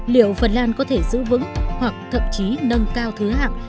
liệu phần lan có thể giữ vững hoặc thậm chí nâng cao thứ hạng